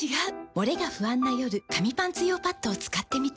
モレが不安な夜紙パンツ用パッドを使ってみた。